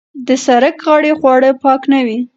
د سرک غاړې خواړه پاک نه وي.